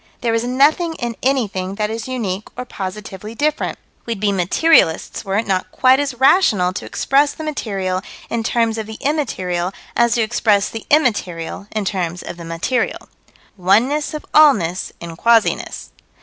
There is nothing in anything that is unique or positively different. We'd be materialists were it not quite as rational to express the material in terms of the immaterial as to express the immaterial in terms of the material. Oneness of allness in quasiness.